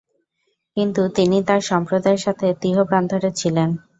কিন্তু তিনি তাঁর সম্প্রদায়ের সাথে তীহ প্রান্তরে ছিলেন।